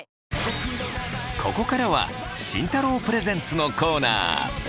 ここからは慎太郎プレゼンツのコーナー。